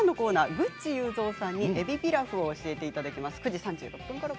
グッチ裕三さんにえびピラフを教えていただきます。